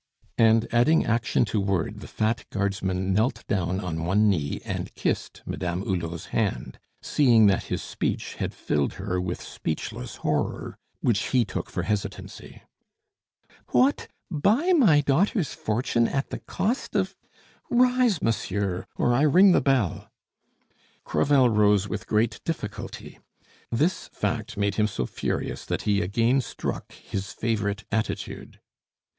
And adding action to word, the fat guardsman knelt down on one knee and kissed Madame Hulot's hand, seeing that his speech had filled her with speechless horror, which he took for hesitancy. "What, buy my daughter's fortune at the cost of ? Rise, monsieur or I ring the bell." Crevel rose with great difficulty. This fact made him so furious that he again struck his favorite attitude.